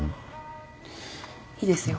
いいですよ。